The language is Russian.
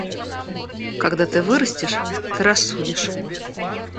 Когда ты вырастешь, ты рассудишь.